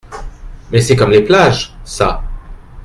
Mais c’est comme les plages, ça.